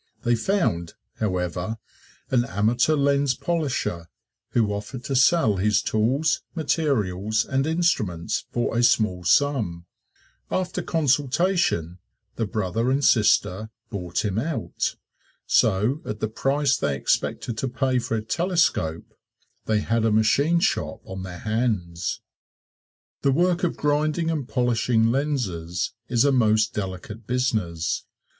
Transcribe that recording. They found, however, an amateur lens polisher who offered to sell his tools, materials and instruments for a small sum. After consultation, the brother and sister bought him out. So at the price they expected to pay for a telescope they had a machine shop on their hands. The work of grinding and polishing lenses is a most delicate business.